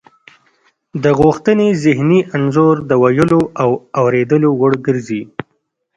د غوښتنې ذهني انځور د ویلو او اوریدلو وړ ګرځي